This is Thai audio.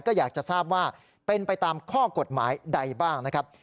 ก็อยากจะทราบว่าเป็นไปตามข้อกฎหมายใดบ้างนะครับ